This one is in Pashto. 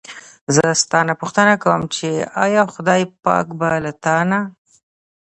زه ستا نه پوښتنه کووم چې ایا خدای پاک به له تا نه.